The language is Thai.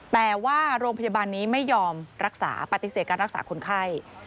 แต่ว่าโรงพยาบาลนี้ไม่ยอมรักษาปฏิเสธการรักษาคนไข้